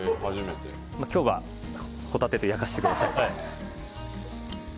今日は、ホタテと焼かせてください。